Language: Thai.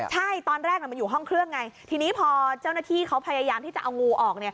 ทีนี้พอเจ้าหน้าที่เขาพยายามที่จะเอางูออก